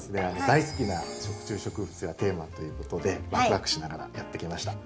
大好きな食虫植物がテーマということでワクワクしながらやって来ました。